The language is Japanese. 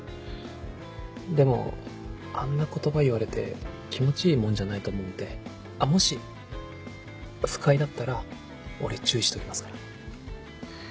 でもあんな言葉言われて気持ちいいもんじゃないと思うんでもし不快だったら俺注意しときますから。